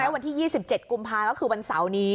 วันที่๒๗กุมภาก็คือวันเสาร์นี้